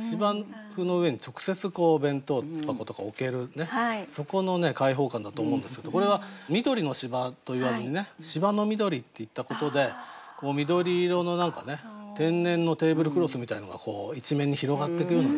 芝生の上に直接弁当箱とか置けるそこの開放感だと思うんですけどこれは「緑の芝」と言わずに「芝の緑」って言ったことで緑色の天然のテーブルクロスみたいなのが一面に広がっていくようなね